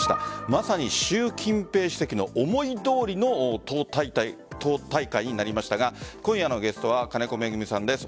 まさに習近平主席の思いどおりの党大会になりましたが今夜のゲストは金子恵美さんです。